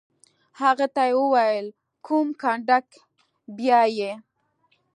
هغه ته یې وویل: کوم کنډک؟ بیا یې.